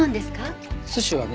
寿司はね